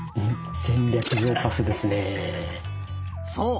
そう！